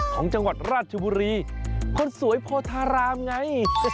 ของจังหวัดราชบุรีคนสวยโพธารามไง